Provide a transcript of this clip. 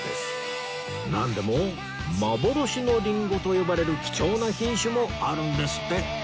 なんでも幻のリンゴと呼ばれる貴重な品種もあるんですって